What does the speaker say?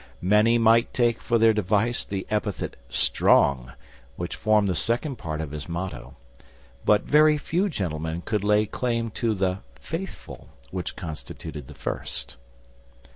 Many might take for their device the epithet strong, which formed the second part of his motto, but very few gentlemen could lay claim to the faithful, which constituted the first.